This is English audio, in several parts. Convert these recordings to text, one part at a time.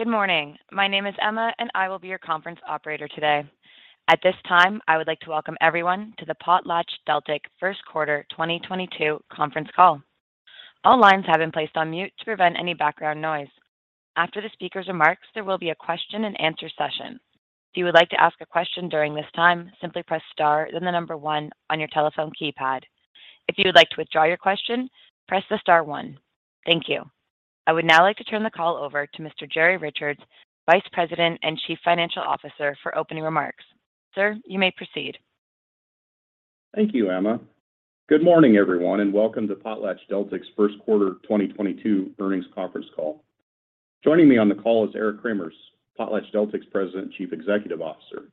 Good morning. My name is Emma, and I will be your conference operator today. At this time, I would like to welcome everyone to the PotlatchDeltic First Quarter 2022 conference call. All lines have been placed on mute to prevent any background noise. After the speaker's remarks, there will be a question and answer session. If you would like to ask a question during this time, simply press star then the number one on your telephone keypad. If you would like to withdraw your question, press the star one. Thank you. I would now like to turn the call over to Mr. Jerry Richards, Vice President and Chief Financial Officer, for opening remarks. Sir, you may proceed. Thank you, Emma. Good morning, everyone, and welcome to PotlatchDeltic's first quarter 2022 earnings conference call. Joining me on the call is Eric Cremers, PotlatchDeltic's President and Chief Executive Officer.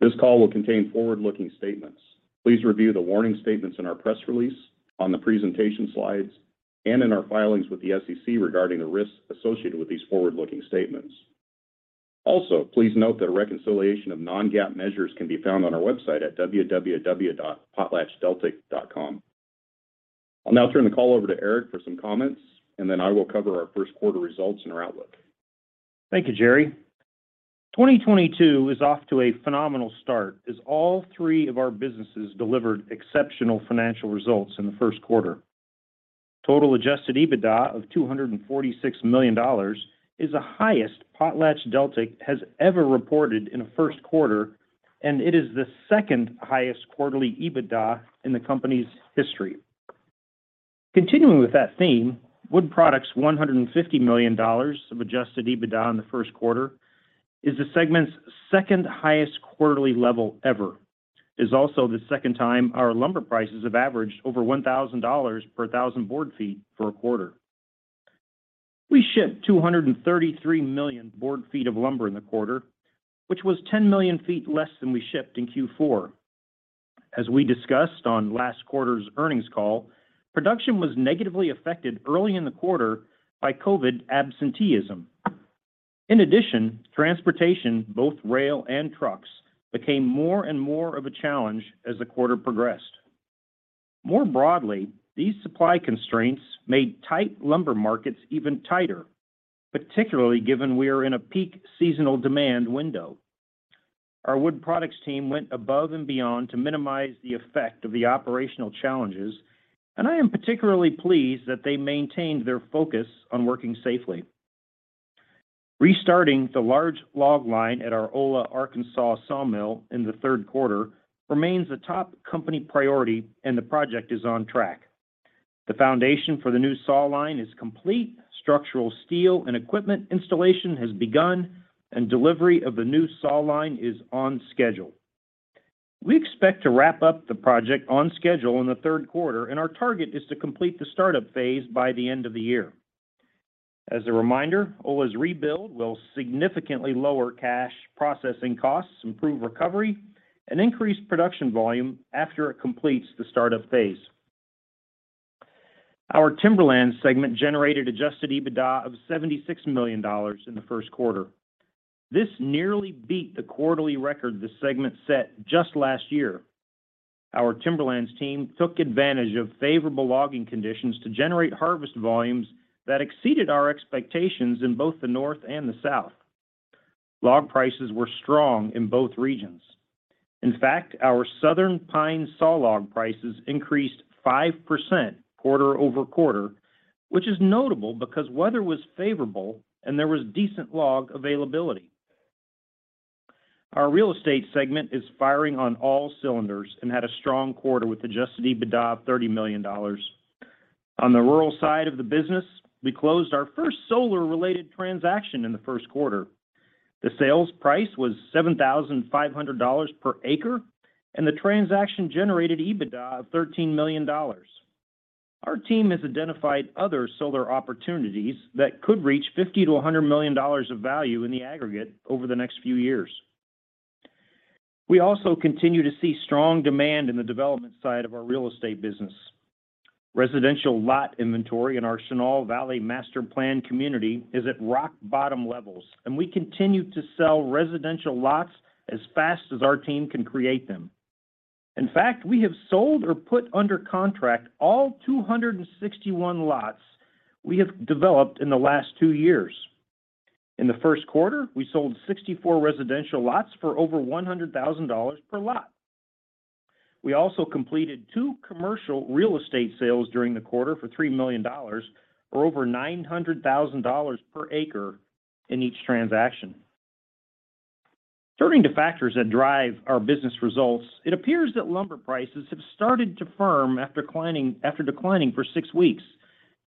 This call will contain forward-looking statements. Please review the warning statements in our press release, on the presentation slides, and in our filings with the SEC regarding the risks associated with these forward-looking statements. Also, please note that a reconciliation of non-GAAP measures can be found on our website at www.potlatchdeltic.com. I'll now turn the call over to Eric for some comments, and then I will cover our first quarter results and our outlook. Thank you, Jerry. 2022 is off to a phenomenal start as all three of our businesses delivered exceptional financial results in the first quarter. Total adjusted EBITDA of $246 million is the highest PotlatchDeltic has ever reported in a first quarter, and it is the second-highest quarterly EBITDA in the company's history. Continuing with that theme, Wood Products' $150 million of adjusted EBITDA in the first quarter is the segment's second-highest quarterly level ever. It's also the second time our lumber prices have averaged over $1,000 per thousand board feet for a quarter. We shipped 233 million board feet of lumber in the quarter, which was 10 million feet less than we shipped in Q4. As we discussed on last quarter's earnings call, production was negatively affected early in the quarter by COVID absenteeism. In addition, transportation, both rail and trucks, became more and more of a challenge as the quarter progressed. More broadly, these supply constraints made tight lumber markets even tighter, particularly given we are in a peak seasonal demand window. Our Wood Products team went above and beyond to minimize the effect of the operational challenges, and I am particularly pleased that they maintained their focus on working safely. Restarting the large log line at our Ola, Arkansas sawmill in the third quarter remains a top company priority, and the project is on track. The foundation for the new saw line is complete, structural steel and equipment installation has begun, and delivery of the new saw line is on schedule. We expect to wrap up the project on schedule in the third quarter, and our target is to complete the startup phase by the end of the year. As a reminder, Ola's rebuild will significantly lower cash processing costs, improve recovery, and increase production volume after it completes the startup phase. Our Timberlands segment generated adjusted EBITDA of $76 million in the first quarter. This nearly beat the quarterly record the segment set just last year. Our Timberlands team took advantage of favorable logging conditions to generate harvest volumes that exceeded our expectations in both the North and the South. Log prices were strong in both regions. In fact, our southern pine sawlog prices increased 5% quarter-over-quarter, which is notable because weather was favorable, and there was decent log availability. Our Real Estate segment is firing on all cylinders and had a strong quarter with adjusted EBITDA of $30 million. On the rural side of the business, we closed our first solar-related transaction in the first quarter. The sales price was $7,500 per acre, and the transaction generated EBITDA of $13 million. Our team has identified other solar opportunities that could reach $50 million-$100 million of value in the aggregate over the next few years. We also continue to see strong demand in the development side of our Real Estate business. Residential lot inventory in our Chenal Valley master-planned community is at rock-bottom levels, and we continue to sell residential lots as fast as our team can create them. In fact, we have sold or put under contract all 261 lots we have developed in the last two years. In the first quarter, we sold 64 residential lots for over $100,000 per lot. We also completed two commercial Real Estate sales during the quarter for $3 million or over $900,000 per acre in each transaction. Turning to factors that drive our business results, it appears that lumber prices have started to firm after declining for six weeks.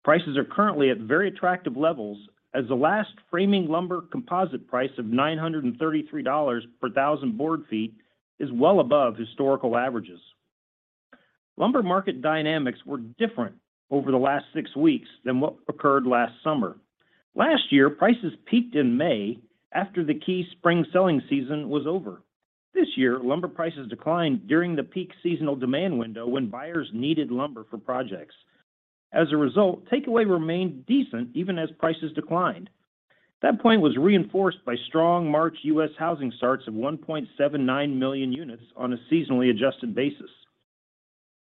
Prices are currently at very attractive levels as the last framing lumber composite price of $933 per thousand board feet is well above historical averages. Lumber market dynamics were different over the last 6 weeks than what occurred last summer. Last year, prices peaked in May after the key spring selling season was over. This year, lumber prices declined during the peak seasonal demand window when buyers needed lumber for projects. As a result, takeaway remained decent even as prices declined. That point was reinforced by strong March U.S. Housing starts of 1.79 million units on a seasonally adjusted basis.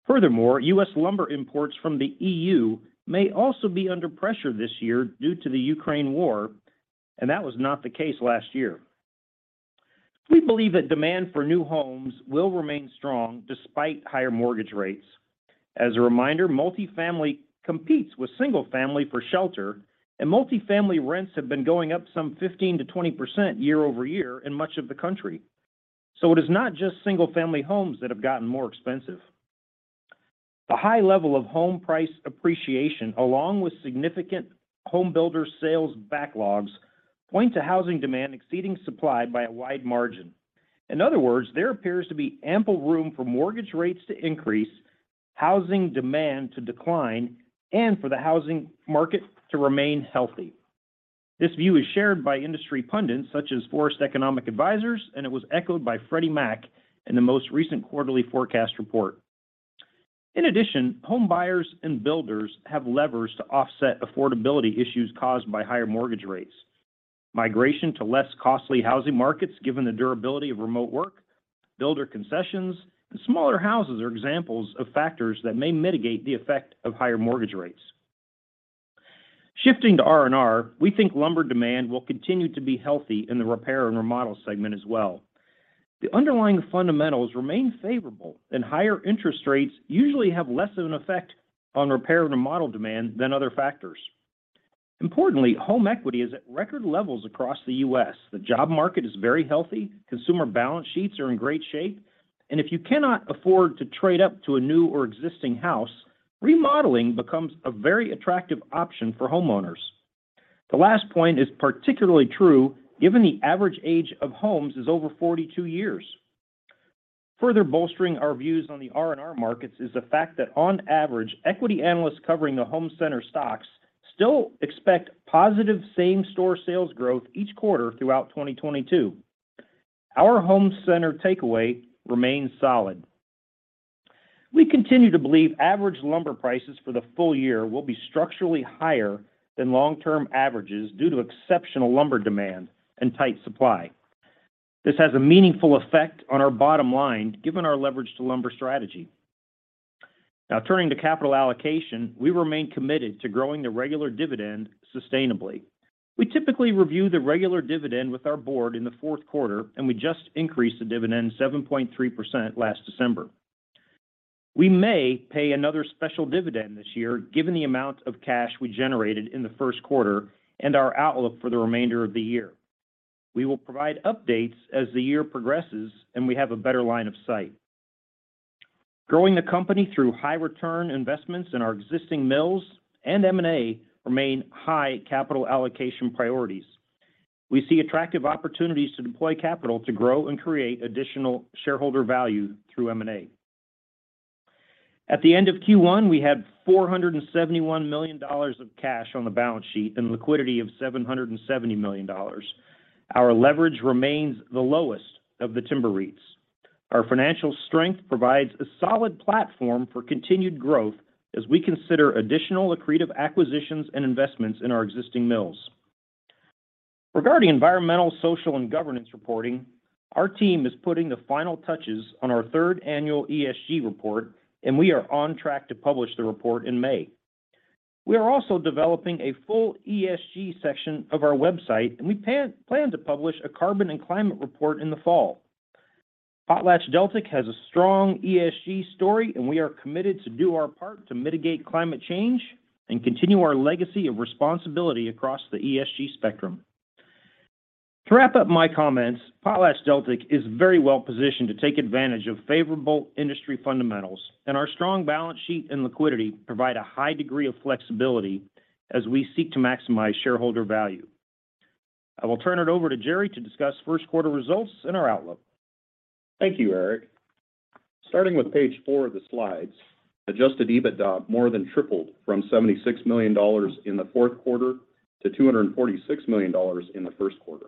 Furthermore, U.S. lumber imports from the EU may also be under pressure this year due to the Ukraine war, and that was not the case last year. We believe that demand for new homes will remain strong despite higher mortgage rates. As a reminder, multi-family competes with single-family for shelter, and multi-family rents have been going up some 15%-20% year-over-year in much of the country. It is not just single-family homes that have gotten more expensive. The high level of home price appreciation, along with significant home builder sales backlogs, point to housing demand exceeding supply by a wide margin. In other words, there appears to be ample room for mortgage rates to increase, housing demand to decline, and for the housing market to remain healthy. This view is shared by industry pundits such as Forest Economic Advisors, and it was echoed by Freddie Mac in the most recent quarterly forecast report. In addition, home buyers and builders have levers to offset affordability issues caused by higher mortgage rates. Migration to less costly housing markets, given the durability of remote work, builder concessions, and smaller houses are examples of factors that may mitigate the effect of higher mortgage rates. Shifting to R&R, we think lumber demand will continue to be healthy in the repair and remodel segment as well. The underlying fundamentals remain favorable, and higher interest rates usually have less of an effect on repair and remodel demand than other factors. Importantly, home equity is at record levels across the U.S. The job market is very healthy, consumer balance sheets are in great shape, and if you cannot afford to trade up to a new or existing house, remodeling becomes a very attractive option for homeowners. The last point is particularly true given the average age of homes is over 42 years. Further bolstering our views on the R&R markets is the fact that on average, equity analysts covering the home center stocks still expect positive same-store sales growth each quarter throughout 2022. Our home center takeaway remains solid. We continue to believe average lumber prices for the full year will be structurally higher than long-term averages due to exceptional lumber demand and tight supply. This has a meaningful effect on our bottom line, given our leverage to lumber strategy. Now turning to capital allocation, we remain committed to growing the regular dividend sustainably. We typically review the regular dividend with our board in the fourth quarter, and we just increased the dividend 7.3% last December. We may pay another special dividend this year, given the amount of cash we generated in the first quarter and our outlook for the remainder of the year. We will provide updates as the year progresses and we have a better line of sight. Growing the company through high-return investments in our existing mills and M&A remain high capital allocation priorities. We see attractive opportunities to deploy capital to grow and create additional shareholder value through M&A. At the end of Q1, we had $471 million of cash on the balance sheet and liquidity of $770 million. Our leverage remains the lowest of the timber REITs. Our financial strength provides a solid platform for continued growth as we consider additional accretive acquisitions and investments in our existing mills. Regarding environmental, social, and governance reporting, our team is putting the final touches on our third annual ESG report, and we are on track to publish the report in May. We are also developing a full ESG section of our website, and we plan to publish a carbon and climate report in the fall. PotlatchDeltic has a strong ESG story, and we are committed to do our part to mitigate climate change and continue our legacy of responsibility across the ESG spectrum. To wrap up my comments, PotlatchDeltic is very well positioned to take advantage of favorable industry fundamentals, and our strong balance sheet and liquidity provide a high degree of flexibility as we seek to maximize shareholder value. I will turn it over to Jerry to discuss first quarter results and our outlook. Thank you, Eric. Starting with page four of the slides, adjusted EBITDA more than tripled from $76 million in the fourth quarter to $246 million in the first quarter.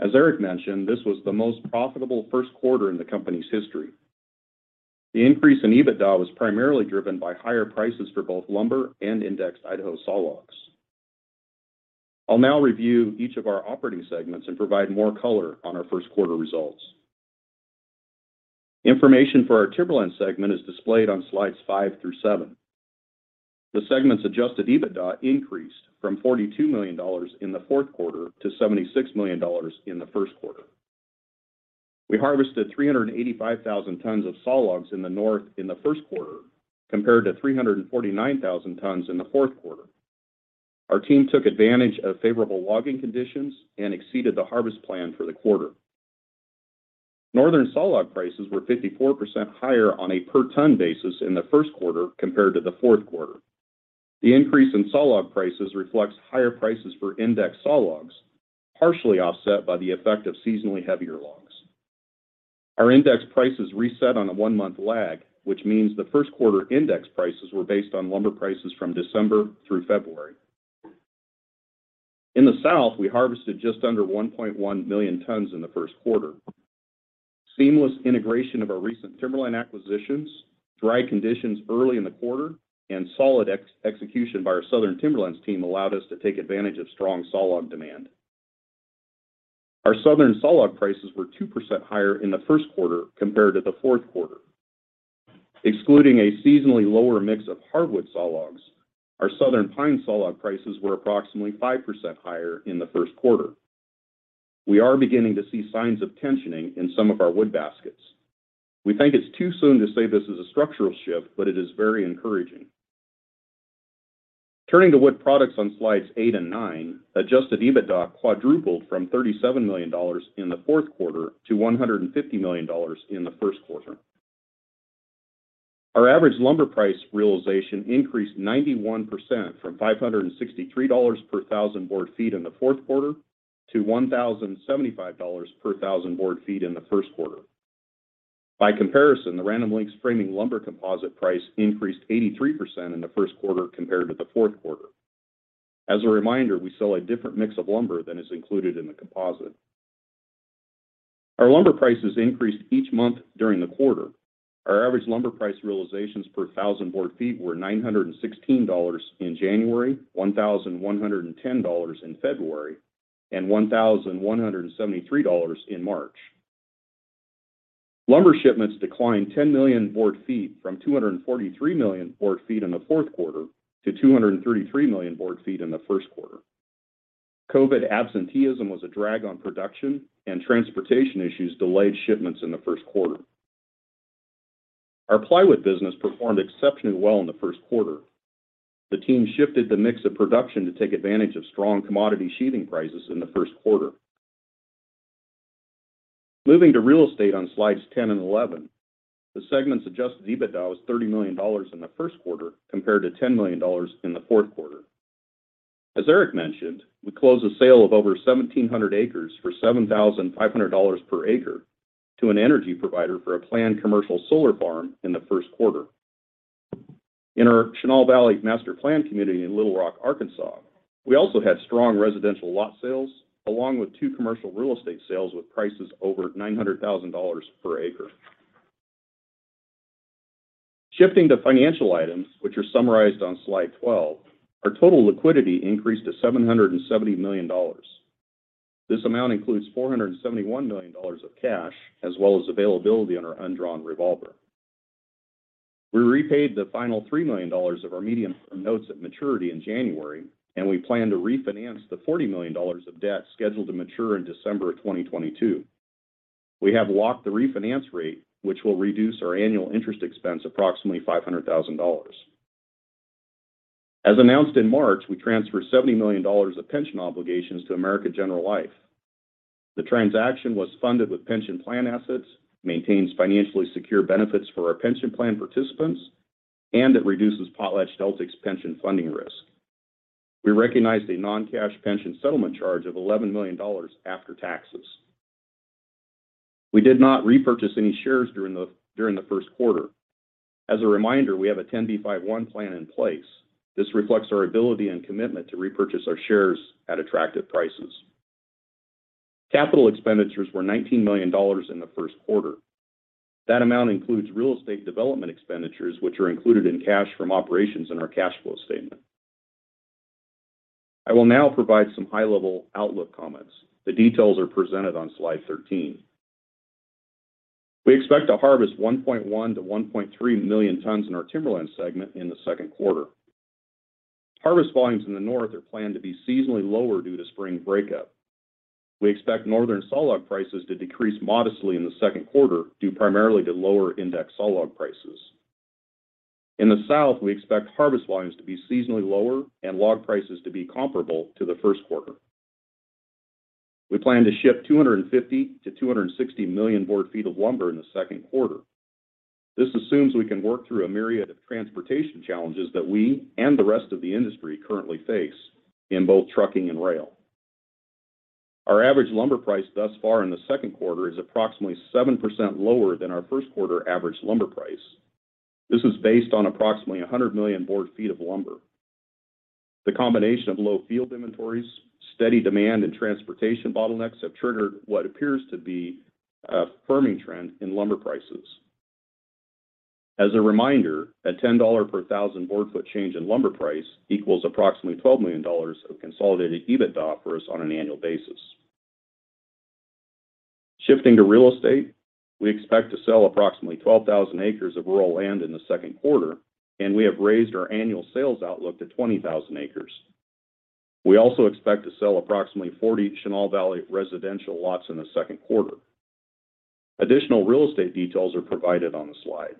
As Eric mentioned, this was the most profitable first quarter in the company's history. The increase in EBITDA was primarily driven by higher prices for both lumber and indexed Idaho sawlogs. I'll now review each of our operating segments and provide more color on our first quarter results. Information for our Timberlands segment is displayed on slides five through seven. The segment's adjusted EBITDA increased from $42 million in the fourth quarter to $76 million in the first quarter. We harvested 385,000 tons of sawlogs in the North in the first quarter, compared to 349,000 tons in the fourth quarter. Our team took advantage of favorable logging conditions and exceeded the harvest plan for the quarter. Northern sawlog prices were 54% higher on a per ton basis in the first quarter compared to the fourth quarter. The increase in sawlog prices reflects higher prices for indexed sawlogs, partially offset by the effect of seasonally heavier logs. Our index prices reset on a one-month lag, which means the first quarter index prices were based on lumber prices from December through February. In the South, we harvested just under 1.1 million tons in the first quarter. Seamless integration of our recent timberland acquisitions, dry conditions early in the quarter, and solid execution by our Southern Timberlands team allowed us to take advantage of strong sawlog demand. Our southern sawlog prices were 2% higher in the first quarter compared to the fourth quarter. Excluding a seasonally lower mix of hardwood sawlogs, our southern pine sawlog prices were approximately 5% higher in the first quarter. We are beginning to see signs of tensioning in some of our wood baskets. We think it's too soon to say this is a structural shift, but it is very encouraging. Turning to Wood Products on slides eight and nine, adjusted EBITDA quadrupled from $37 million in the fourth quarter to $150 million in the first quarter. Our average lumber price realization increased 91% from $563 per thousand board feet in the fourth quarter to $1,075 per thousand board feet in the first quarter. By comparison, the Random Lengths framing lumber composite price increased 83% in the first quarter compared to the fourth quarter. As a reminder, we sell a different mix of lumber than is included in the composite. Our lumber prices increased each month during the quarter. Our average lumber price realizations per thousand board feet were $916 in January, $1,110 in February, and $1,173 in March. Lumber shipments declined 10 million board feet from 243 million board feet in the fourth quarter to 233 million board feet in the first quarter. COVID absenteeism was a drag on production and transportation issues delayed shipments in the first quarter. Our plywood business performed exceptionally well in the first quarter. The team shifted the mix of production to take advantage of strong commodity sheathing prices in the first quarter. Moving to Real Estate on slides 10 and 11, the segment's adjusted EBITDA was $30 million in the first quarter compared to $10 million in the fourth quarter. As Eric mentioned, we closed a sale of over 1,700 acres for $7,500 per acre to an energy provider for a planned commercial solar farm in the first quarter. In our Chenal Valley master-planned community in Little Rock, Arkansas, we also had strong residential lot sales along with two commercial real estate sales with prices over $900,000 per acre. Shifting to financial items, which are summarized on slide 12, our total liquidity increased to $770 million. This amount includes $471 million of cash as well as availability on our undrawn revolver. We repaid the final $3 million of our medium-term notes at maturity in January, and we plan to refinance the $40 million of debt scheduled to mature in December of 2022. We have locked the refinance rate, which will reduce our annual interest expense approximately $500,000. As announced in March, we transferred $70 million of pension obligations to American General Life. The transaction was funded with pension plan assets, maintains financially secure benefits for our pension plan participants, and it reduces PotlatchDeltic's pension funding risk. We recognized a non-cash pension settlement charge of $11 million after taxes. We did not repurchase any shares during the first quarter. As a reminder, we have a 10b5-1 plan in place. This reflects our ability and commitment to repurchase our shares at attractive prices. Capital expenditures were $19 million in the first quarter. That amount includes Real Estate development expenditures, which are included in cash from operations in our cash flow statement. I will now provide some high-level outlook comments. The details are presented on slide 13. We expect to harvest 1.1-1.3 million tons in our Timberlands segment in the second quarter. Harvest volumes in the North are planned to be seasonally lower due to spring breakup. We expect northern sawlog prices to decrease modestly in the second quarter, due primarily to lower index sawlog prices. In the South, we expect harvest volumes to be seasonally lower and log prices to be comparable to the first quarter. We plan to ship 250-260 million board feet of lumber in the second quarter. This assumes we can work through a myriad of transportation challenges that we and the rest of the industry currently face in both trucking and rail. Our average lumber price thus far in the second quarter is approximately 7% lower than our first quarter average lumber price. This is based on approximately 100 million board feet of lumber. The combination of low field inventories, steady demand, and transportation bottlenecks have triggered what appears to be a firming trend in lumber prices. As a reminder, a $10 per thousand board foot change in lumber price equals approximately $12 million of consolidated EBITDA for us on an annual basis. Shifting to Real Estate, we expect to sell approximately 12,000 acres of rural land in the second quarter, and we have raised our annual sales outlook to 20,000 acres. We also expect to sell approximately 40 Chenal Valley residential lots in the second quarter. Additional Real Estate details are provided on the slide.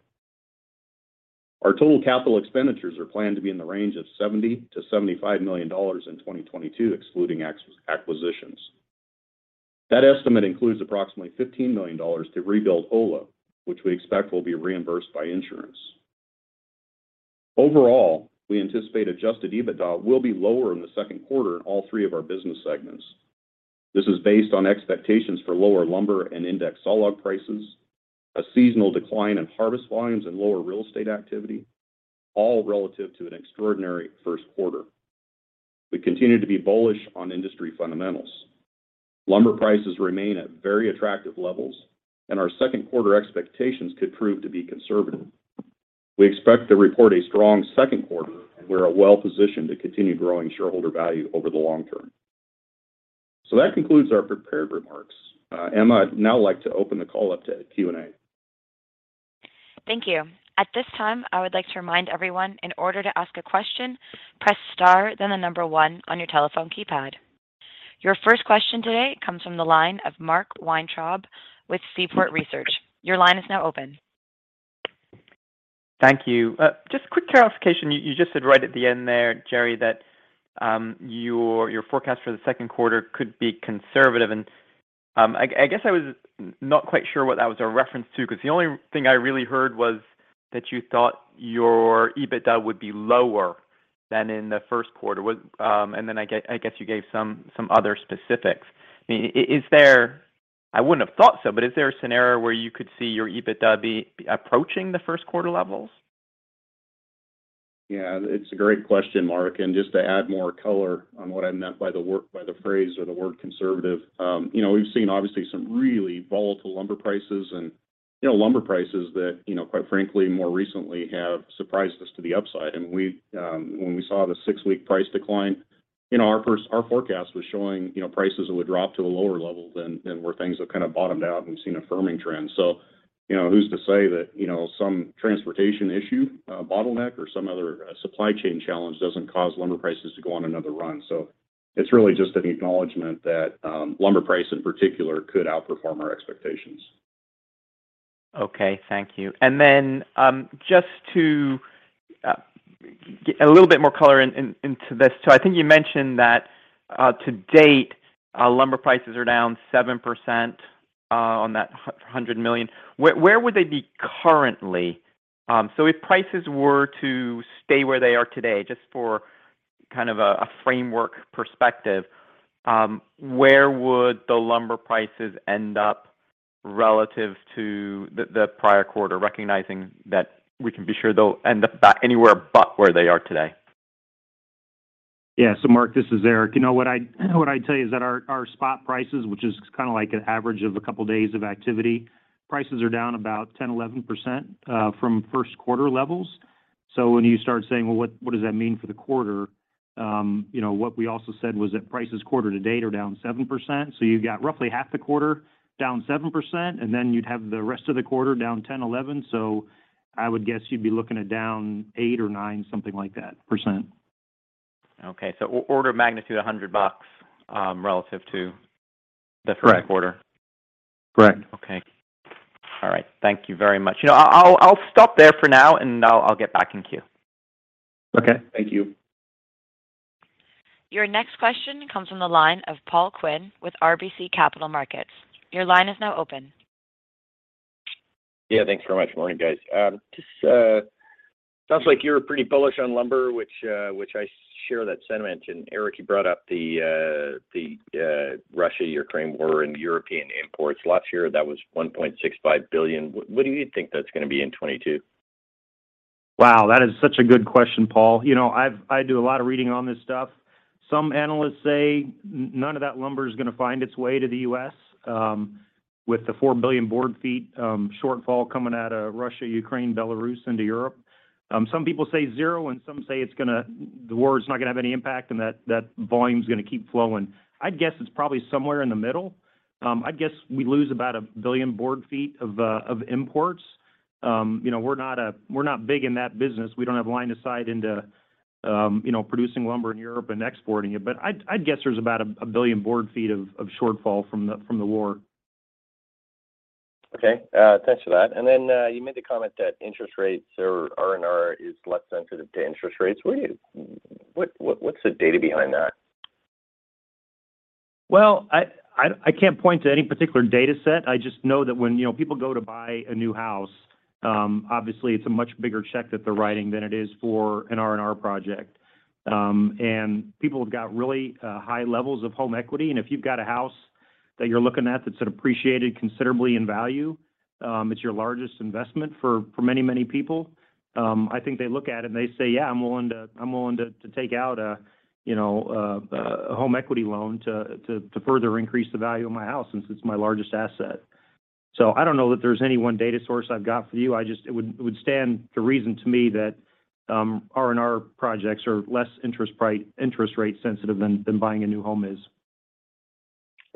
Our total capital expenditures are planned to be in the range of $70-$75 million in 2022, excluding acquisitions. That estimate includes approximately $15 million to rebuild Ola, which we expect will be reimbursed by insurance. Overall, we anticipate adjusted EBITDA will be lower in the second quarter in all three of our business segments. This is based on expectations for lower lumber and index sawlog prices, a seasonal decline in harvest volumes, and lower Real Estate activity, all relative to an extraordinary first quarter. We continue to be bullish on industry fundamentals. Lumber prices remain at very attractive levels and our second quarter expectations could prove to be conservative. We expect to report a strong second quarter, and we are well-positioned to continue growing shareholder value over the long term. That concludes our prepared remarks. Emma, I'd now like to open the call up to Q&A. Thank you. At this time, I would like to remind everyone, in order to ask a question, press star then the number one on your telephone keypad. Your first question today comes from the line of Mark Weintraub with Seaport Research. Your line is now open. Thank you. Just quick clarification. You just said right at the end there, Jerry, that your forecast for the second quarter could be conservative. I guess I was not quite sure what that was a reference to, 'cause the only thing I really heard was that you thought your EBITDA could be lower than in the first quarter. I guess you gave some other specifics. I mean, is there I wouldn't have thought so, but is there a scenario where you could see your EBITDA be approaching the first quarter levels? Yeah, it's a great question, Mark. Just to add more color on what I meant by the phrase or the word conservative, you know, we've seen obviously some really volatile lumber prices and, you know, lumber prices that, you know, quite frankly more recently have surprised us to the upside. When we saw the six-week price decline, you know, our forecast was showing, you know, prices would drop to a lower level than where things have kind of bottomed out, and we've seen a firming trend. You know, who's to say that, you know, some transportation issue, bottleneck or some other supply chain challenge doesn't cause lumber prices to go on another run? It's really just an acknowledgement that lumber price in particular could outperform our expectations. Okay. Thank you. Just to give a little bit more color into this. I think you mentioned that to date lumber prices are down 7% on that $100 million. Where would they be currently? If prices were to stay where they are today, just for kind of a framework perspective, where would the lumber prices end up relative to the prior quarter, recognizing that we can be sure they'll end up back anywhere but where they are today? Yeah. Mark, this is Eric. You know, what I'd tell you is that our spot prices, which is kinda like an average of a couple days of activity, prices are down about 10, 11% from first quarter levels. When you start saying, "Well, what does that mean for the quarter?" You know, what we also said was that prices quarter to date are down 7%, so you've got roughly half the quarter down 7%, and then you'd have the rest of the quarter down 10, 11. I would guess you'd be looking at down eight or nine, something like that, %. Okay. Order of magnitude $100, relative to Correct the third quarter. Correct. Okay. All right. Thank you very much. You know, I'll stop there for now, and I'll get back in queue. Okay. Thank you. Your next question comes from the line of Paul Quinn with RBC Capital Markets. Your line is now open. Yeah. Thanks very much. Morning, guys. Sounds like you're pretty bullish on lumber, which I share that sentiment. Eric, you brought up the Russia-Ukraine war and European imports. Last year, that was $1.65 billion. What do you think that's gonna be in 2022? Wow, that is such a good question, Paul. You know, I do a lot of reading on this stuff. Some analysts say none of that lumber is gonna find its way to the U.S., with the 4 billion board feet shortfall coming out of Russia, Ukraine, Belarus into Europe. Some people say zero, and some say the war is not gonna have any impact, and that volume's gonna keep flowing. I'd guess it's probably somewhere in the middle. I'd guess we lose about 1 billion board feet of imports. You know, we're not big in that business. We don't have line of sight into you know, producing lumber in Europe and exporting it. I'd guess there's about 1 billion board feet of shortfall from the war. Okay. Thanks for that. You made the comment that interest rates or RNR is less sensitive to interest rates. What's the data behind that? Well, I can't point to any particular data set. I just know that when you know people go to buy a new house, obviously it's a much bigger check that they're writing than it is for an RNR project. People have got really high levels of home equity, and if you've got a house that you're looking at that's appreciated considerably in value, it's your largest investment for many people. I think they look at it and they say, "Yeah, I'm willing to take out a you know a home equity loan to further increase the value of my house since it's my largest asset." I don't know that there's any one data source I've got for you. I just. It would stand to reason to me that RNR projects are less interest rate sensitive than buying a new home is.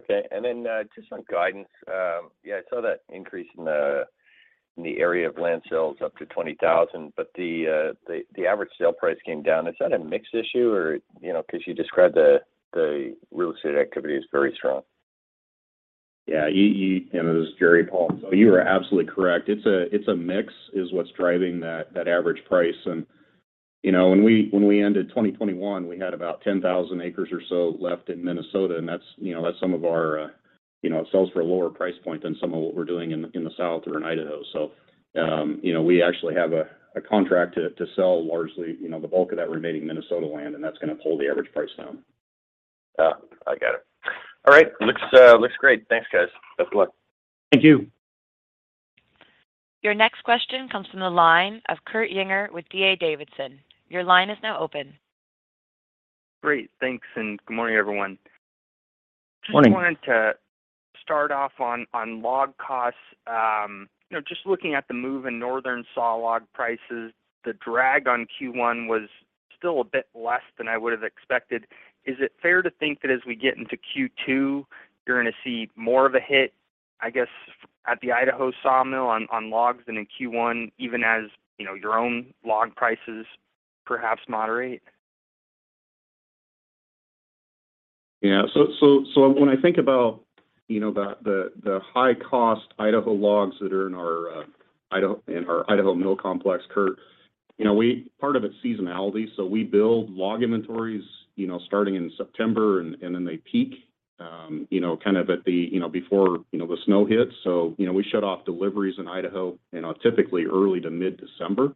Okay. Then, just on guidance. Yeah, I saw that increase in the area of land sales up to 20,000, but the average sale price came down. Is that a mix issue or, you know, 'cause you described the Real Estate activity as very strong. Yeah. This is Jerry, Paul. You are absolutely correct. It's a mix is what's driving that average price. You know, when we ended 2021, we had about 10,000 acres or so left in Minnesota, and that's you know some of our you know it sells for a lower price point than some of what we're doing in the South or in Idaho. You know, we actually have a contract to sell largely you know the bulk of that remaining Minnesota land, and that's gonna pull the average price down. I get it. All right. Looks great. Thanks, guys. Best of luck. Thank you. Your next question comes from the line of Kurt Yinger with D.A. Davidson. Your line is now open. Great. Thanks and good morning, everyone. Morning. Just wanted to start off on log costs. You know, just looking at the move in Northern saw log prices, the drag on Q1 was still a bit less than I would have expected. Is it fair to think that as we get into Q2, you're gonna see more of a hit, I guess, at the Idaho sawmill on logs than in Q1, even as, you know, your own log prices perhaps moderate? Yeah. When I think about you know the high cost Idaho logs that are in our Idaho mill complex, Kurt, you know, part of it's seasonality, so we build log inventories, you know, starting in September, and then they peak you know kind of at the you know before you know the snow hits. You know, we shut off deliveries in Idaho, you know, typically early to mid-December.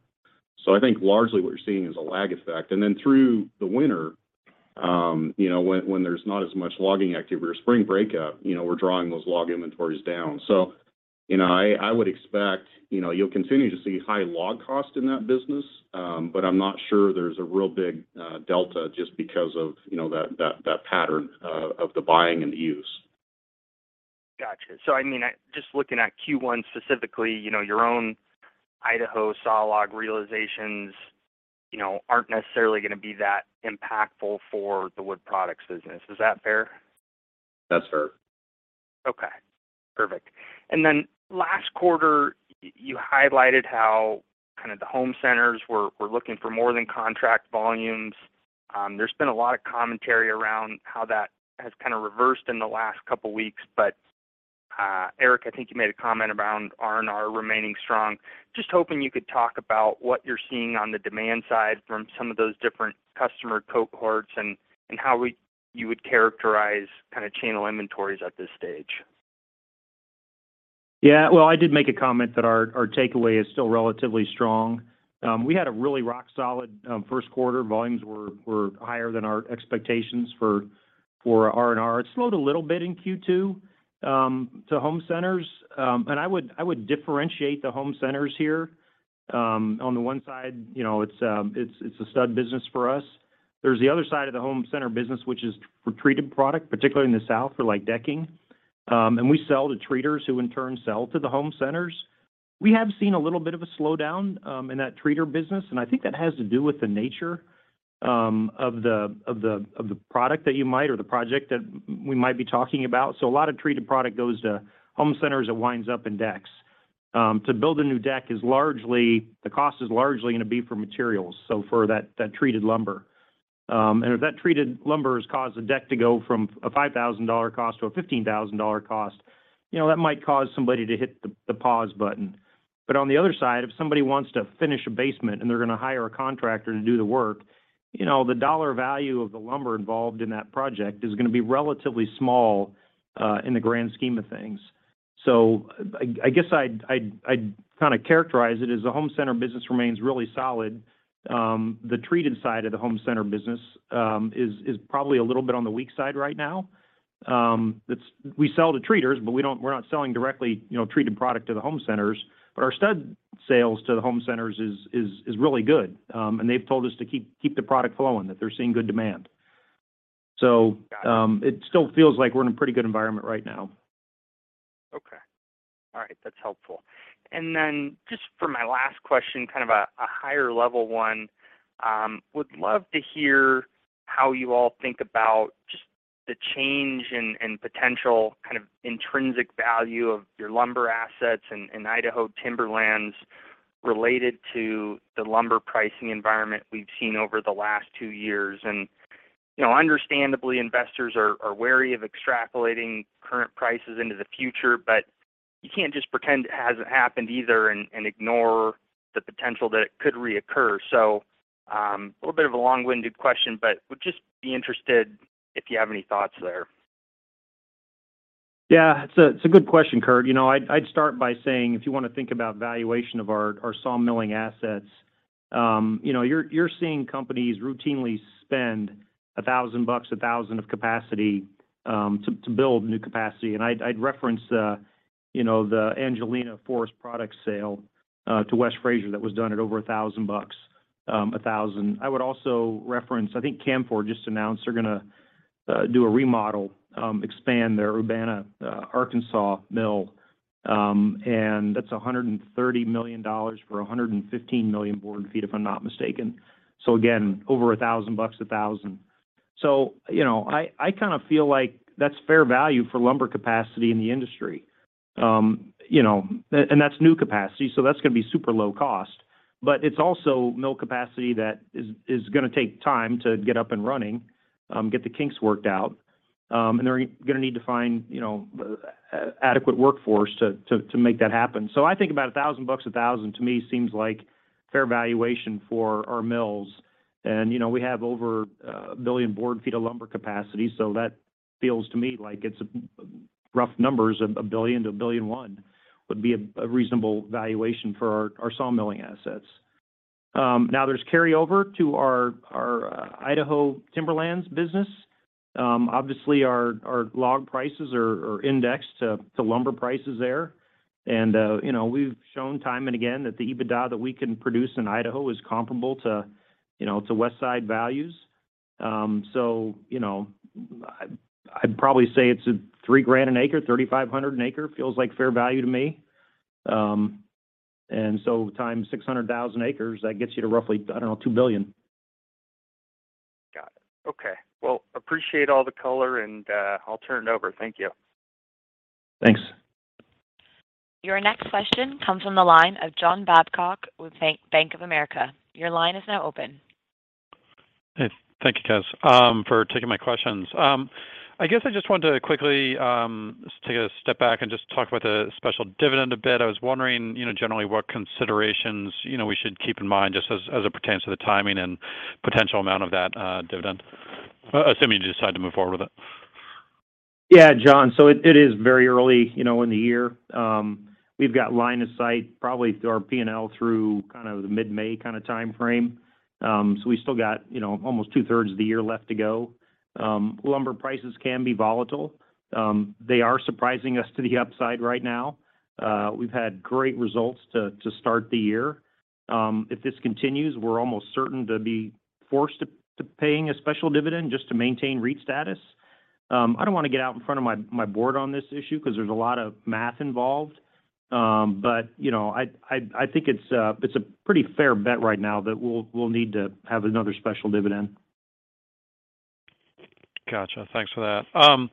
I think largely what you're seeing is a lag effect. Then through the winter, you know, when there's not as much logging activity or spring breakup, you know, we're drawing those log inventories down. you know, I would expect, you know, you'll continue to see high log cost in that business, but I'm not sure there's a real big delta just because of, you know, that pattern of the buying and the use. Gotcha. I mean, just looking at Q1 specifically, you know, your own Idaho saw log realizations, you know, aren't necessarily gonna be that impactful for the Wood Products business. Is that fair? That's fair. Okay. Perfect. Last quarter, you highlighted how kind of the home centers were looking for more than contract volumes. There's been a lot of commentary around how that has kind of reversed in the last couple weeks, but Eric, I think you made a comment around R&R remaining strong. Just hoping you could talk about what you're seeing on the demand side from some of those different customer cohorts and how you would characterize kind of channel inventories at this stage. Yeah. Well, I did make a comment that our takeaway is still relatively strong. We had a really rock solid first quarter. Volumes were higher than our expectations for R&R. It slowed a little bit in Q2 to home centers. I would differentiate the home centers here. On the one side, you know, it's a stud business for us. There's the other side of the home center business, which is for treated product, particularly in the South for, like, decking. We sell to treaters who in turn sell to the home centers. We have seen a little bit of a slowdown in that treater business, and I think that has to do with the nature of the product that you might or the project that we might be talking about. A lot of treated product goes to home centers that winds up in decks. To build a new deck, the cost is largely gonna be for materials, so for that treated lumber. If that treated lumber has caused the deck to go from a $5,000 cost to a $15,000 cost, you know, that might cause somebody to hit the pause button. On the other side, if somebody wants to finish a basement and they're gonna hire a contractor to do the work, you know, the dollar value of the lumber involved in that project is gonna be relatively small in the grand scheme of things. I guess I'd kinda characterize it as the home center business remains really solid. The treated side of the home center business is probably a little bit on the weak side right now. We sell to treaters, but we're not selling directly, you know, treated product to the home centers. Our stud sales to the home centers is really good. They've told us to keep the product flowing, that they're seeing good demand. Got it. It still feels like we're in a pretty good environment right now. Okay. All right. That's helpful. Then just for my last question, kind of a higher level one, would love to hear how you all think about just the change and potential kind of intrinsic value of your lumber assets in Idaho Timberlands related to the lumber pricing environment we've seen over the last two years. You know, understandably, investors are wary of extrapolating current prices into the future, but you can't just pretend it hasn't happened either and ignore the potential that it could reoccur. A little bit of a long-winded question, but would just be interested if you have any thoughts there. Yeah. It's a good question, Kurt. You know, I'd start by saying, if you wanna think about valuation of our sawmilling assets, you know, you're seeing companies routinely spend $1,000 a thousand of capacity to build new capacity. I'd reference the Angelina Forest Products sale to West Fraser that was done at over $1,000 a thousand. I would also reference, I think Canfor just announced they're gonna do a remodel, expand their Urbana, Arkansas mill. That's $130 million for 115 million board feet, if I'm not mistaken. Again, over $1,000 a thousand. You know, I kinda feel like that's fair value for lumber capacity in the industry. You know, that's new capacity, so that's gonna be super low cost. It's also mill capacity that is gonna take time to get up and running, get the kinks worked out. They're gonna need to find, you know, adequate workforce to make that happen. I think about $1,000 a thousand to me seems like fair valuation for our mills. You know, we have over 1 billion board feet of lumber capacity, so that feels to me like it's a rough number of $1 billion to $1.1 billion would be a reasonable valuation for our sawmilling assets. Now there's carryover to our Idaho Timberlands business. Obviously our log prices are indexed to lumber prices there. You know, we've shown time and again that the EBITDA that we can produce in Idaho is comparable to, you know, to West Fraser values. You know, I'd probably say it's a $3,000 an acre, $3,500 an acre feels like fair value to me. Times 600,000 acres, that gets you to roughly, I don't know, $2 billion. Got it. Okay. Well, appreciate all the color, and I'll turn it over. Thank you. Thanks. Your next question comes from the line of John Babcock with Bank of America. Your line is now open. Thank you guys for taking my questions. I guess I just wanted to quickly take a step back and just talk about the special dividend a bit. I was wondering, you know, generally what considerations, you know, we should keep in mind just as it pertains to the timing and potential amount of that dividend, assuming you decide to move forward with it. Yeah, John. It is very early, you know, in the year. We've got line of sight probably through our P&L through kind of the mid-May kind of timeframe. We still got, you know, almost two-thirds of the year left to go. Lumber prices can be volatile. They are surprising us to the upside right now. We've had great results to start the year. If this continues, we're almost certain to be forced to paying a special dividend just to maintain REIT status. I don't wanna get out in front of my board on this issue because there's a lot of math involved. You know, I think it's a pretty fair bet right now that we'll need to have another special dividend. Gotcha. Thanks for that.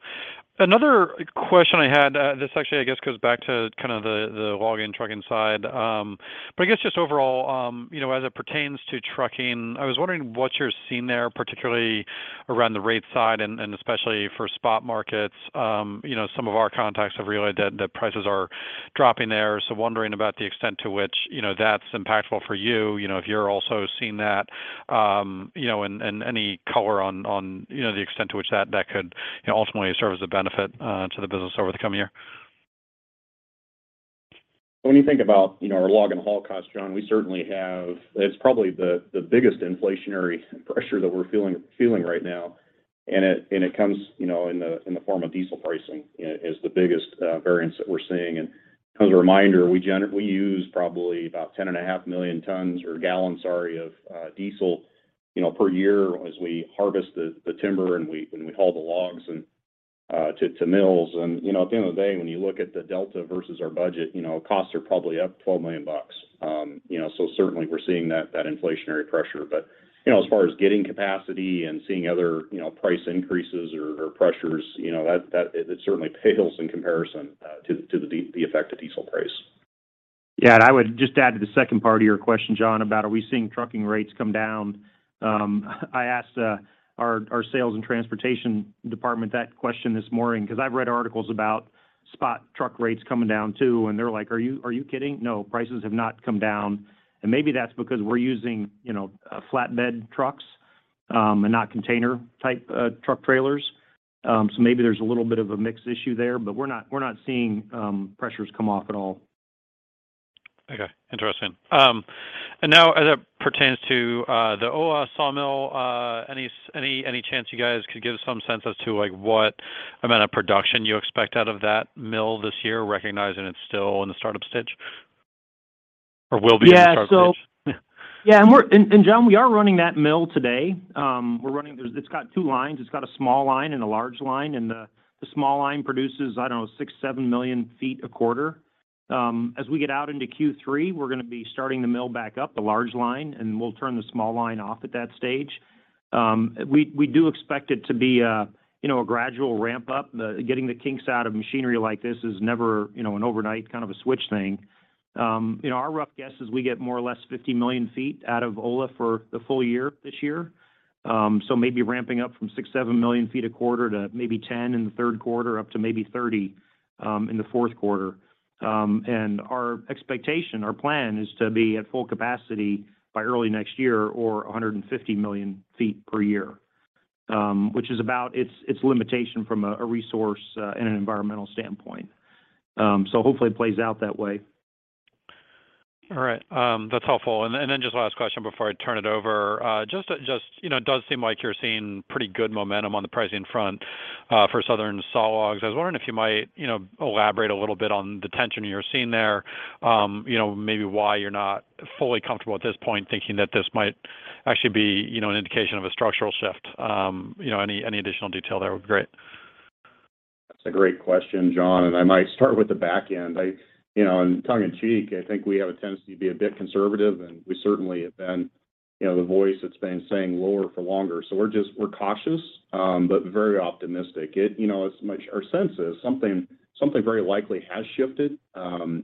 Another question I had, this actually I guess goes back to kind of the logging trucking side. But I guess just overall, you know, as it pertains to trucking, I was wondering what you're seeing there, particularly around the rate side and especially for spot markets. You know, some of our contacts have realized that the prices are dropping there. Wondering about the extent to which, you know, that's impactful for you. You know, if you're also seeing that, you know, and any color on you know, the extent to which that could, you know, ultimately serve as a benefit to the business over the coming year. When you think about, you know, our log and haul cost, John, we certainly have. It's probably the biggest inflationary pressure that we're feeling right now, and it comes, you know, in the form of diesel pricing, is the biggest variance that we're seeing. As a reminder, we use probably about 10.5 million tons or gallons, sorry, of diesel, you know, per year as we harvest the timber, and we haul the logs to mills. You know, at the end of the day, when you look at the delta versus our budget, you know, costs are probably up $12 million. You know, certainly we're seeing that inflationary pressure. You know, as far as getting capacity and seeing other, you know, price increases or pressures, you know, that it certainly pales in comparison to the effect of diesel price. Yeah. I would just add to the second part of your question, John, about are we seeing trucking rates come down. I asked our sales and transportation department that question this morning because I've read articles about spot truck rates coming down too, and they're like, "Are you kidding? No, prices have not come down." Maybe that's because we're using, you know, flatbed trucks and not container-type truck trailers. Maybe there's a little bit of a mix issue there, but we're not seeing pressures come off at all. Okay. Interesting. Now as it pertains to the Ola sawmill, any chance you guys could give some sense as to, like, what amount of production you expect out of that mill this year, recognizing it's still in the startup stage or will be in the startup stage? Yeah. Yeah. Yeah. John, we are running that mill today. We're running it. It's got two lines. It's got a small line and a large line, and the small line produces, I don't know, 6-7 million feet a quarter. As we get out into Q3, we're gonna be starting the mill back up, the large line, and we'll turn the small line off at that stage. We do expect it to be, you know, a gradual ramp-up. Getting the kinks out of machinery like this is never, you know, an overnight kind of a switch thing. Our rough guess is we get more or less 50 million feet out of Ola for the full year this year. Maybe ramping up from 6-7 million feet a quarter to maybe 10 in the third quarter, up to maybe 30 in the fourth quarter. Our expectation, our plan is to be at full capacity by early next year or 150 million feet per year, which is about its limitation from a resource and an environmental standpoint. Hopefully it plays out that way. All right. That's helpful. Just last question before I turn it over. Just you know, it does seem like you're seeing pretty good momentum on the pricing front for southern sawlogs. I was wondering if you might you know, elaborate a little bit on the traction you're seeing there you know, maybe why you're not fully comfortable at this point thinking that this might actually be you know, an indication of a structural shift. You know, any additional detail there would be great. That's a great question, John, and I might start with the back end. You know, tongue in cheek, I think we have a tendency to be a bit conservative, and we certainly have been, you know, the voice that's been saying lower for longer. We're cautious, but very optimistic. You know, our sense is something very likely has shifted.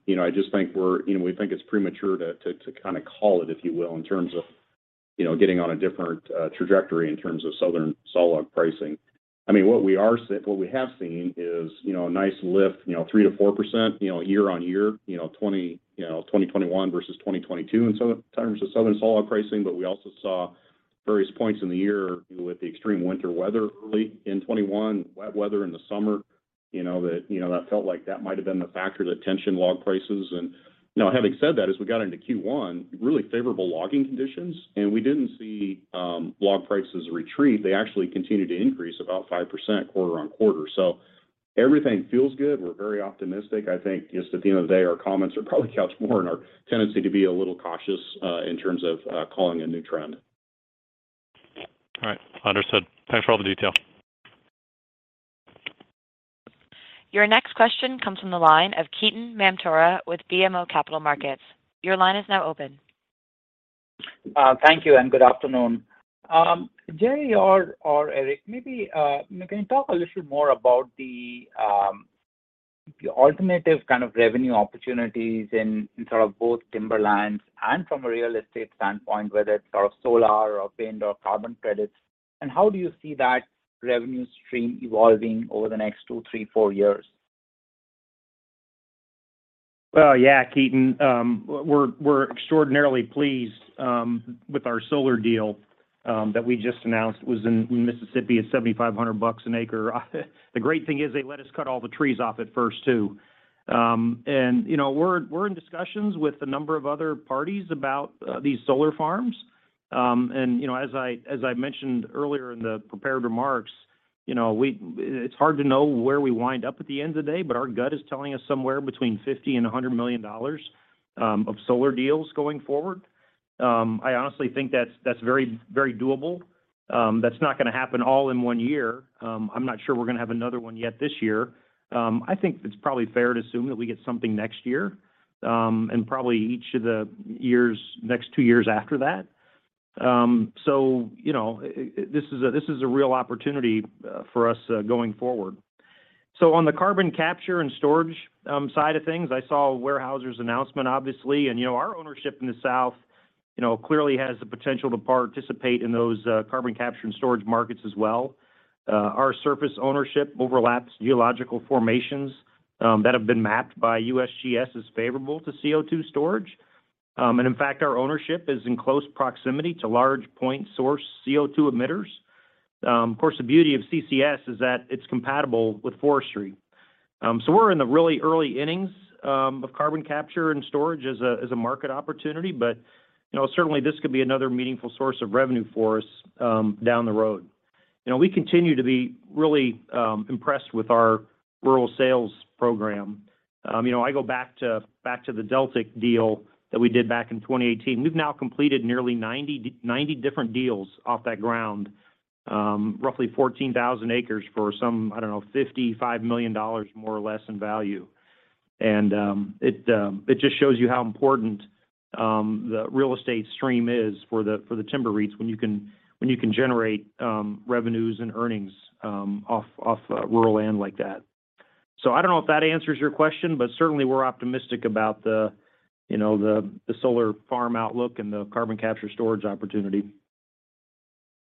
You know, I just think we think it's premature to kind of call it, if you will, in terms of getting on a different trajectory in terms of southern sawlog pricing. I mean, what we have seen is, you know, a nice lift, you know, 3%-4%, you know, year-on-year, you know, 2021 versus 2022 in terms of southern sawlog pricing. But we also saw various points in the year with the extreme winter weather early in 2021, wet weather in the summer You know, that felt like that might have been the factor that tensed log prices. You know, having said that, as we got into Q1, really favorable logging conditions, and we didn't see log prices retreat. They actually continued to increase about 5% quarter-over-quarter. Everything feels good. We're very optimistic. I think just at the end of the day, our comments are probably couched more in our tendency to be a little cautious in terms of calling a new trend. All right. Understood. Thanks for all the detail. Your next question comes from the line of Ketan Mamtora with BMO Capital Markets. Your line is now open. Thank you and good afternoon. Jerry or Eric, maybe, can you talk a little more about the alternative kind of revenue opportunities in both Timberlands and from a Real Estate standpoint, whether it's solar or wind or carbon credits, and how do you see that revenue stream evolving over the next two, three, four years? Well, yeah, Ketan. We're extraordinarily pleased with our solar deal that we just announced. It was in Mississippi at $7,500 an acre. The great thing is they let us cut all the trees off at first, too. You know, we're in discussions with a number of other parties about these solar farms. You know, as I mentioned earlier in the prepared remarks, it's hard to know where we wind up at the end of the day, but our gut is telling us somewhere between $50 million and $100 million of solar deals going forward. I honestly think that's very doable. That's not gonna happen all in one year. I'm not sure we're gonna have another one yet this year. I think it's probably fair to assume that we get something next year, and probably each of the next two years after that. You know, this is a real opportunity for us going forward. On the carbon capture and storage side of things, I saw Weyerhaeuser's announcement, obviously. You know, our ownership in the South clearly has the potential to participate in those carbon capture and storage markets as well. Our surface ownership overlaps geological formations that have been mapped by USGS as favorable to CO2 storage. In fact, our ownership is in close proximity to large point source CO2 emitters. Of course, the beauty of CCS is that it's compatible with forestry. We're in the really early innings of carbon capture and storage as a market opportunity, but you know, certainly this could be another meaningful source of revenue for us down the road. You know, we continue to be really impressed with our rural sales program. You know, I go back to the Deltic deal that we did back in 2018. We've now completed nearly 90 different deals off that ground, roughly 14,000 acres for some, I don't know, $55 million more or less in value. It just shows you how important the Real Estate stream is for the timber REITs when you can generate revenues and earnings off rural land like that. I don't know if that answers your question, but certainly we're optimistic about the, you know, solar farm outlook and the carbon capture storage opportunity.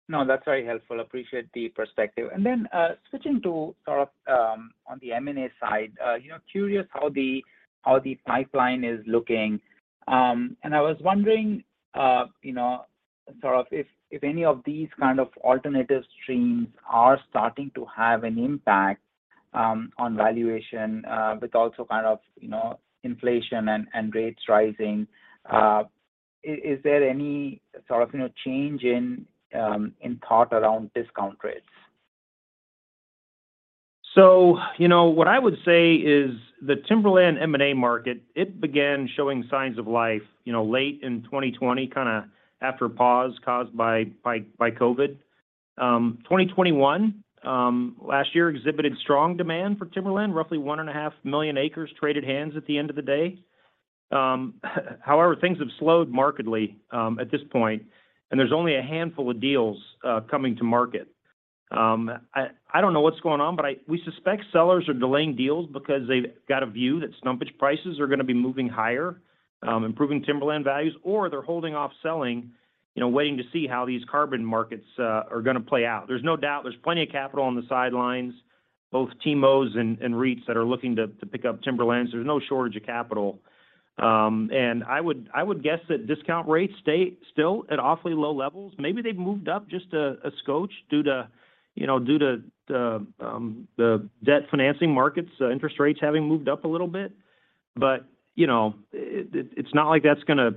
No, that's very helpful. Appreciate the perspective. Switching to sort of on the M&A side, you know, curious how the pipeline is looking. I was wondering, you know, sort of if any of these kind of alternative streams are starting to have an impact on valuation, but also kind of, you know, inflation and rates rising. Is there any sort of, you know, change in thought around discount rates? You know, what I would say is the timberland M&A market, it began showing signs of life, you know, late in 2020, kinda after a pause caused by COVID. 2021, last year exhibited strong demand for timberland. Roughly 1.5 million acres traded hands at the end of the day. However, things have slowed markedly at this point, and there's only a handful of deals coming to market. I don't know what's going on, but we suspect sellers are delaying deals because they've got a view that stumpage prices are gonna be moving higher, improving timberland values, or they're holding off selling, you know, waiting to see how these carbon markets are gonna play out. There's no doubt there's plenty of capital on the sidelines, both TIMOs and REITs that are looking to pick up timberlands. There's no shortage of capital. I would guess that discount rates stay still at awfully low levels. Maybe they've moved up just a skosh due to the debt financing markets, interest rates having moved up a little bit. It's not like that's gonna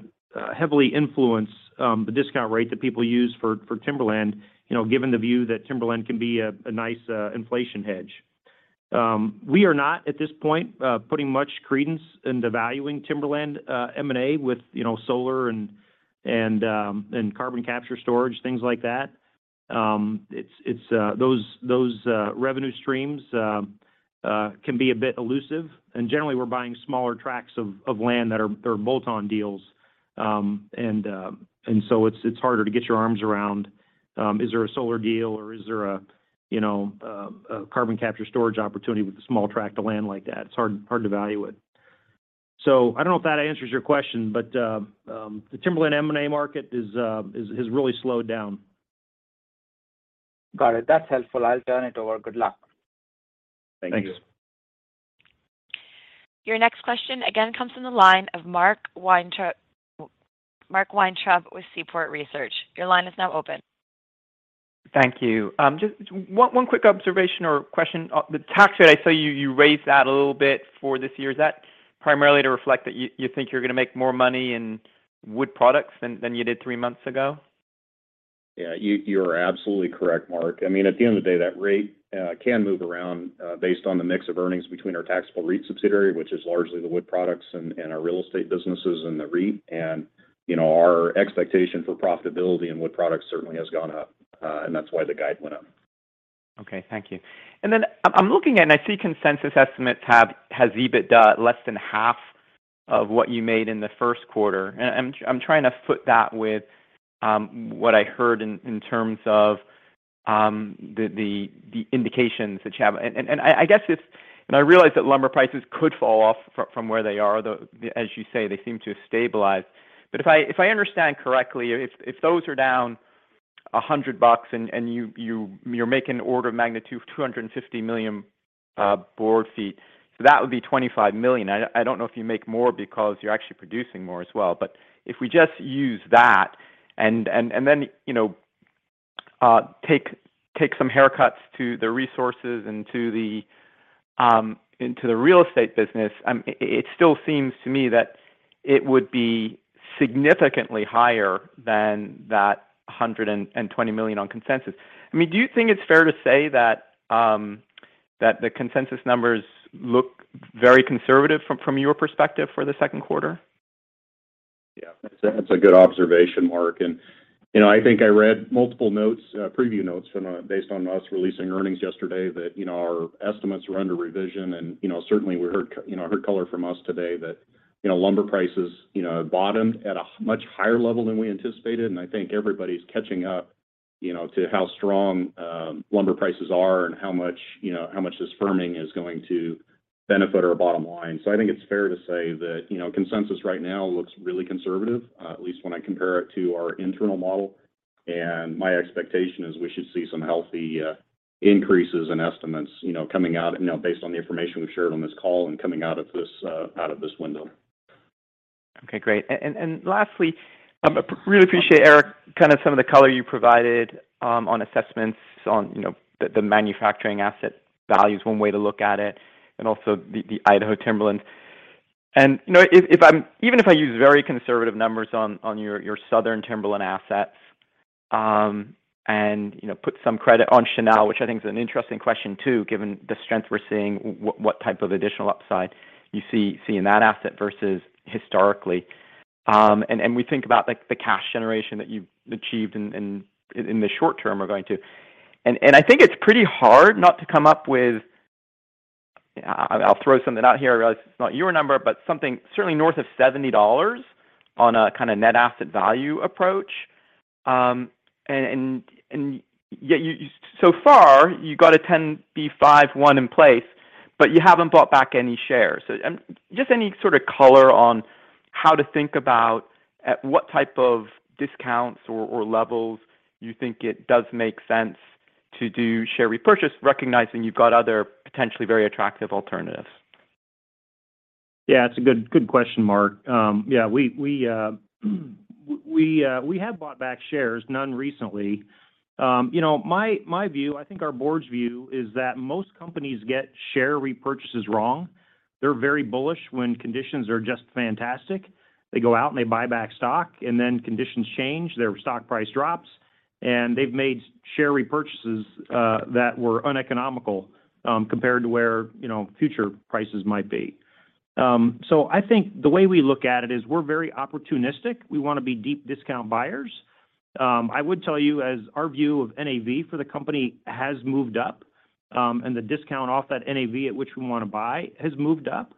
heavily influence the discount rate that people use for timberland, you know, given the view that timberland can be a nice inflation hedge. We are not at this point putting much credence into valuing timberland M&A with solar and carbon capture storage, things like that. It's those revenue streams can be a bit elusive. Generally, we're buying smaller tracts of land that are bolt-on deals. It's harder to get your arms around, is there a solar deal or is there a you know a carbon capture and storage opportunity with a small tract of land like that? It's hard to value it. I don't know if that answers your question, but the timberland M&A market has really slowed down. Got it. That's helpful. I'll turn it over. Good luck. Thank you. Your next question again comes from the line of Mark Weintraub, Mark Weintraub with Seaport Research. Your line is now open. Thank you. Just one quick observation or question. The tax rate, I saw you raised that a little bit for this year. Is that primarily to reflect that you think you're gonna make more money in Wood Products than you did three months ago? Yeah, you're absolutely correct, Mark. I mean, at the end of the day, that rate can move around based on the mix of earnings between our taxable REIT subsidiary, which is largely the Wood Products and our Real Estate businesses and the REIT. You know, our expectation for profitability in Wood Products certainly has gone up, and that's why the guide went up. Okay, thank you. I'm looking and I see consensus estimates has EBITDA less than half of what you made in the first quarter. I'm trying to foot that with what I heard in terms of the indications that you have. I guess it's. I realize that lumber prices could fall off from where they are, though, as you say, they seem to have stabilized. If I understand correctly, if those are down $100 and you're making on the order of magnitude of 250 million board feet, so that would be $25 million. I don't know if you make more because you're actually producing more as well. If we just use that and then, you know, take some haircuts to the resources and to the Real Estate business, it still seems to me that it would be significantly higher than that $120 million on consensus. I mean, do you think it's fair to say that the consensus numbers look very conservative from your perspective for the second quarter? Yeah. That's a good observation, Mark. You know, I think I read multiple notes, preview notes from based on us releasing earnings yesterday that, you know, our estimates were under revision. You know, certainly we heard color from us today that, you know, lumber prices bottomed at a much higher level than we anticipated. I think everybody's catching up, you know, to how strong lumber prices are and how much this firming is going to benefit our bottom line. I think it's fair to say that, you know, consensus right now looks really conservative, at least when I compare it to our internal model. My expectation is we should see some healthy increases in estimates, you know, coming out, you know, based on the information we've shared on this call and coming out of this window. Okay, great. And lastly, really appreciate Eric, kind of some of the color you provided on assessments, you know, the manufacturing asset value is one way to look at it and also the Idaho Timberlands. You know, even if I use very conservative numbers on your southern Timberlands assets, and you know, put some credit on Chenal, which I think is an interesting question too, given the strength we're seeing, what type of additional upside you see in that asset versus historically. We think about like the cash generation that you've achieved in the short term are going to. I think it's pretty hard not to come up with. I'll throw something out here. I realize it's not your number, but something certainly north of $70 on a kinda net asset value approach. Yet you so far you got a 10b5-1 in place, but you haven't bought back any shares. Just any sort of color on how to think about at what type of discounts or levels you think it does make sense to do share repurchase, recognizing you've got other potentially very attractive alternatives. Yeah, it's a good question, Mark. Yeah, we have bought back shares, none recently. You know, my view, I think our board's view is that most companies get share repurchases wrong. They're very bullish when conditions are just fantastic. They go out and they buy back stock, and then conditions change, their stock price drops, and they've made share repurchases that were uneconomical compared to where, you know, future prices might be. I think the way we look at it is we're very opportunistic. We wanna be deep discount buyers. I would tell you as our view of NAV for the company has moved up, and the discount off that NAV at which we wanna buy has moved up.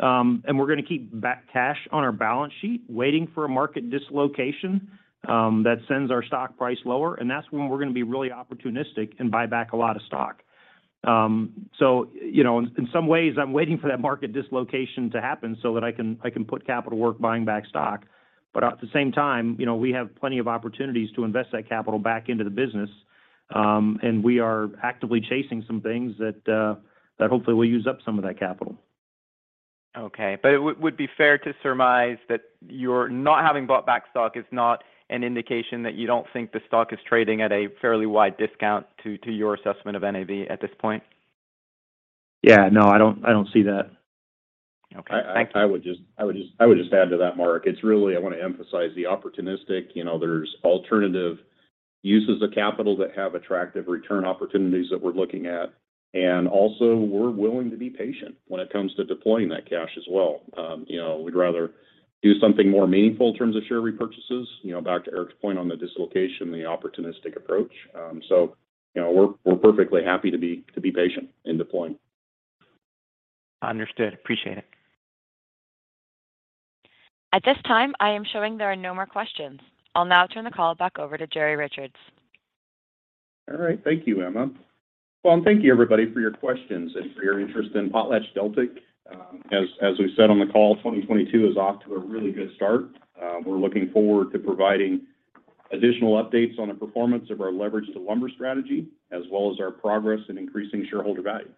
We're gonna keep cash on our balance sheet, waiting for a market dislocation that sends our stock price lower, and that's when we're gonna be really opportunistic and buy back a lot of stock. You know, in some ways, I'm waiting for that market dislocation to happen so that I can put capital to work buying back stock. At the same time, you know, we have plenty of opportunities to invest that capital back into the business. We are actively chasing some things that hopefully will use up some of that capital. Okay. It would be fair to surmise that you're not having bought back stock is not an indication that you don't think the stock is trading at a fairly wide discount to your assessment of NAV at this point. Yeah. No, I don't see that. Okay. Thank you. I would just add to that, Mark. It's really, I wanna emphasize the opportunistic, you know, there's alternative uses of capital that have attractive return opportunities that we're looking at. Also, we're willing to be patient when it comes to deploying that cash as well. You know, we'd rather do something more meaningful in terms of share repurchases, you know, back to Eric's point on the dislocation, the opportunistic approach. You know, we're perfectly happy to be patient in deploying. Understood. Appreciate it. At this time, I am showing there are no more questions. I'll now turn the call back over to Jerry Richards. All right. Thank you, Emma. Well, and thank you everybody for your questions and for your interest in PotlatchDeltic. As we said on the call, 2022 is off to a really good start. We're looking forward to providing additional updates on the performance of our leverage to lumber strategy as well as our progress in increasing shareholder value.